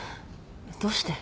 どうして？